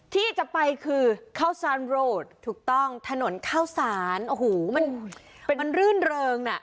ที่จะไปคือข้าวซานโรดถูกต้องถนนข้าวสารโอ้โหมันรื่นเริงน่ะ